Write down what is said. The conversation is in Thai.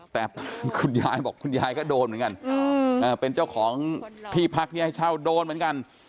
แต่คุณยายบอกคุณยายก็โดนเหมือนกันเป็นเจ้าของที่พักที่ให้เช่าโดนเหมือนกัน